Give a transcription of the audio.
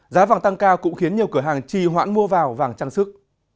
giá vàng tăng cao cũng khiến nhiều cửa hàng trì hoãn mua vào vàng trang sức